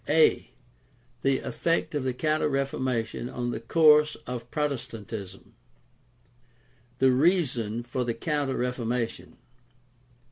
A. THE EFFECT OF THE COUNTER REFORMATION ON THE COURSE OF PROTESTANTISM The reason for the Counter Reformation.